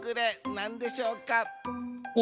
なんでしょうか？